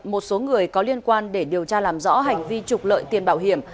một số người có liên quan để điều tra làm rõ hành vi trục lợi tiền bảo hiểm